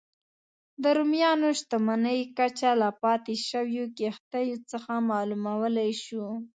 د رومیانو شتمنۍ کچه له پاتې شویو کښتیو څخه معلومولای شو